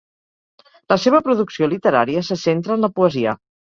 La seva producció literària se centra en la poesia.